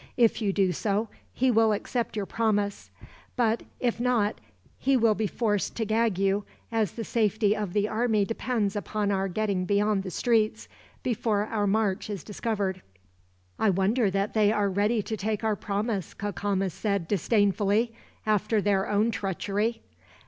If you will do so, he will accept your promise; but if not, he will be forced to gag you, as the safety of the army depends upon our getting beyond the streets, before our march is discovered." "I wonder that they are ready to take our promise," Cacama said disdainfully, "after their own treachery.